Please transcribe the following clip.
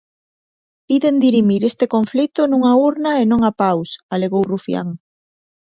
Piden dirimir este conflito nunha urna e non a paus, alegou Rufián.